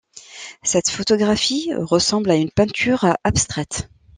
Cette photographie ressemble à une peinture abstraite.